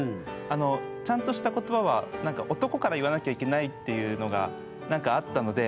あのちゃんとした言葉は男から言わなきゃいけないっていうのがあったので。